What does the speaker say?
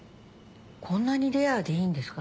こんなにレアでいいんですか？